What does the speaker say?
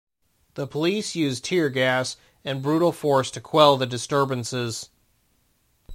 The police used tear gas and brutal force to quell the disturbances.